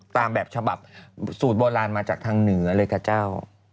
ตามแบบฉบับสูตรโบราณมาจากทางเหนือเลยค่ะเจ้า